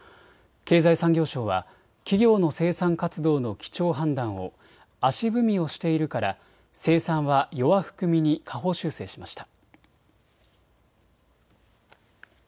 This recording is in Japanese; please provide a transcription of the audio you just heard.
経済産業省は企業の生産活動の基調判断を足踏みをしているから生産は弱含みに下方修正しました。